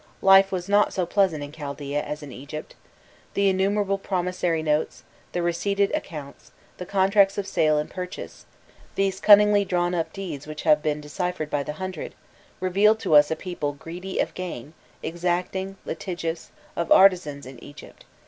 Life was not so pleasant in Chaldaea as in Egypt. The innumerable promissory notes, the receipted accounts, the contracts of sale and purchase these cunningly drawn up deeds which have been deciphered by the hundred reveal to us a people greedy of gain, exacting, litigious, of artisans in Egypt.